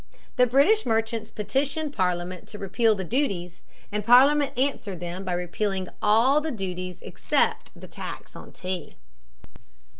The British merchants petitioned Parliament to repeal the duties, and Parliament answered them by repealing all the duties except the tax on tea.